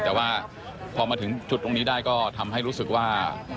แต่ว่าพอมาถึงจุดตรงนี้ได้ก็ทำให้รู้สึกว่า